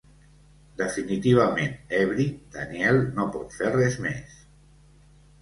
Definitivament ebri Daniel no pot fer res més.